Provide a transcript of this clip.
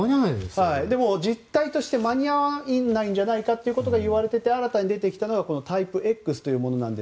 でも、実態として間に合わないんじゃないかということがいわれていて新たに出てきたのがタイプＸというもの。